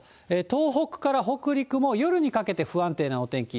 東北から北陸も、夜にかけて不安定なお天気。